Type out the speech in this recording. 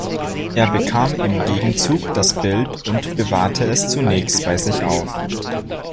Er bekam im Gegenzug das Bild und bewahrte es zunächst bei sich auf.